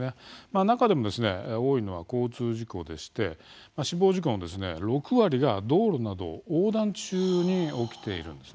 中でも多いのは交通事故でして死亡事故の６割が道路の横断中に起きているんです。